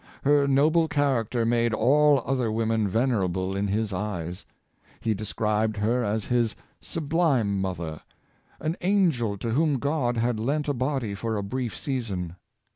Her noble character made all other women venerable in his eyes. He described her as his " subHme mother "—^' an angel to whom God had lent a body for a brief season."